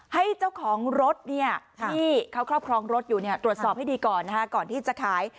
ให้เจ้าของรถที่เขาครอบครองรถอยู่ตรวจสอบให้ดีก่อนนะคะก่อนที่จะขาย